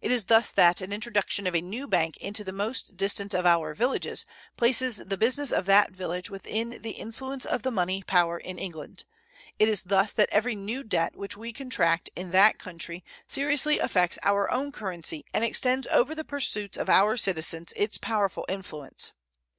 It is thus that an introduction of a new bank into the most distant of our villages places the business of that village within the influence of the money power in England; it is thus that every new debt which we contract in that country seriously affects our own currency and extends over the pursuits of our citizens its powerful influence.